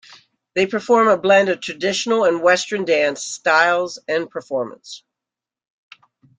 They perform a blend of traditional and Western dance styles and performance.